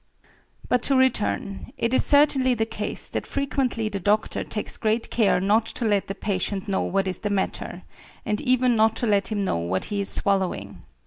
But to return: It is certainly the case that frequently "the doctor" takes great care not to let the patient know what is the matter, and even not to let him know what he is swallowing.